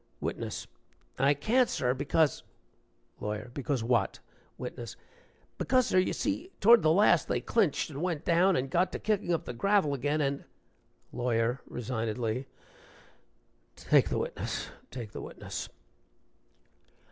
WITNESS. "I can't, sir, because " LAWYER. "Because what?" WITNESS. "Because, sir, you see toward the last they clinched and went down, and got to kicking up the gravel again, and " LAWYER. (Resignedly) "Take the witness take the witness."